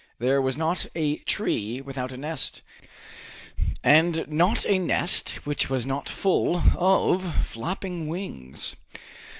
There was not a tree without a nest, and not a nest which was not full of flapping wings.